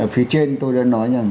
phía trên tôi đã nói rằng